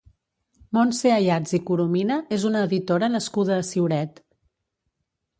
Montse Ayats i Coromina és una editora nascuda a Ciuret.